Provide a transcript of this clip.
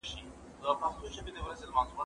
زه به کتابتوننۍ سره وخت تېره کړی وي!.